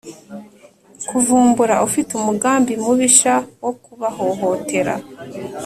kuvumbura ufite umugambi mubisha wo kubahohotera